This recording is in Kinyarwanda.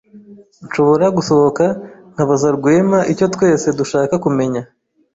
Nshobora gusohoka nkabaza Rwema icyo twese dushaka kumenya.